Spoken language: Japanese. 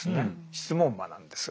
質問魔なんです。